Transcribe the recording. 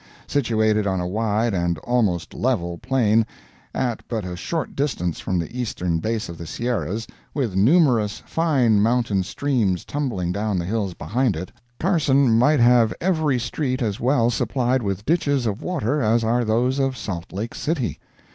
Situated on a wide, and almost level, plain, at but a short distance from the eastern base of the Sierras, with numerous fine mountain streams tumbling down the hills behind it, Carson might have every street as well supplied with ditches of water as are those of Salt Lake City.